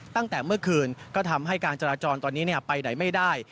ตั้งแต่เมื่อคืนก็ทำให้การจราจรตอนนี้ไปไหนไม่ได้